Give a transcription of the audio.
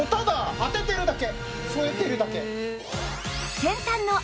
当てるだけ。